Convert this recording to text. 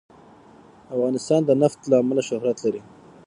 افغانستان د نفت له امله شهرت لري.